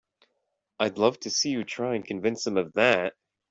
I'd love to see you try and convince them of that!